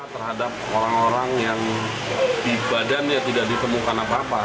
terhadap orang orang yang di badannya tidak ditemukan apa apa